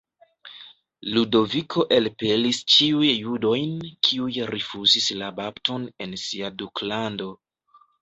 Ludoviko elpelis ĉiuj judojn kiuj rifuzis la bapton en sia duklando.